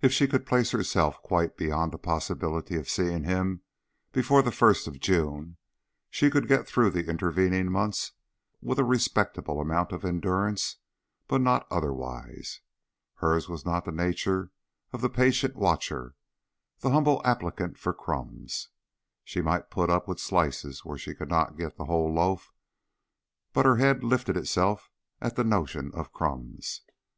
If she could place herself quite beyond the possibility of seeing him before the first of June, she could get through the intervening months with a respectable amount of endurance, but not otherwise. Hers was not the nature of the patient watcher, the humble applicant for crumbs. She might put up with slices where she could not get the whole loaf, but her head lifted itself at the notion of crumbs.